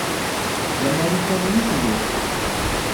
D amarikani i telliḍ.